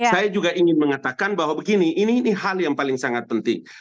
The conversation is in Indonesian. saya juga ingin mengatakan bahwa begini ini hal yang paling sangat penting